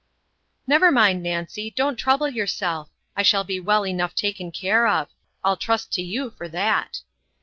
"Never mind, Nancy, don't trouble yourself; I shall be well enough taken care of. I'll trust to you for that."